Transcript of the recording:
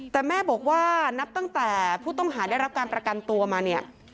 แต่แม่บอกว่านับตั้งแต่ผู้ต้องหาได้รับการประกันตัวมาเนี่ย